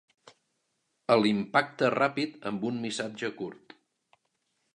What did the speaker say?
A l’impacte ràpid amb un missatge curt.